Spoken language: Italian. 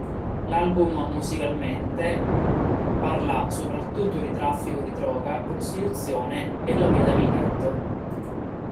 L'album musicalmente parla soprattutto di traffico di droga, prostituzione e la vita nel Ghetto.